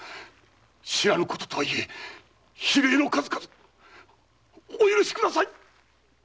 知らぬこととはいえ非礼の数々お許しください！